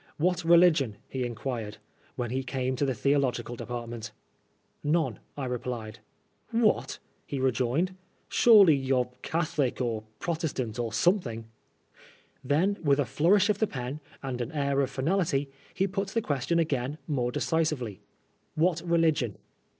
What religion ?" he inquired, when he came to the theological department. « None," I replied « What !" he rejoined, " surely you're Catholic or Protestant or "BLACK MABIA." 115 something." Then, with a flourish of the pen, and an air of finality, he put the question again more deci« Bively, " What religion